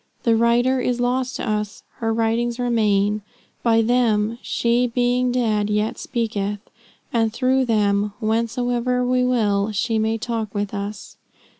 The writer is lost to us; her writings remain. By them "she being dead yet speaketh," and through them, whensoever we will, she may talk with us.